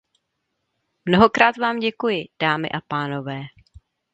Mnohokrát vám děkuji, dámy a pánové.